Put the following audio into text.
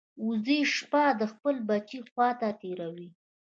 وزې شپه د خپل بچي خوا ته تېروي